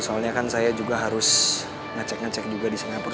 soalnya kan saya juga harus ngecek ngecek juga di singapura